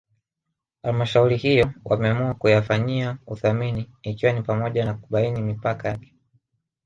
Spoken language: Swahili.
Halmshauri hiyo wameamua kuyafanyia uthamini ikiwa ni pamoja na kubaini mipaka yake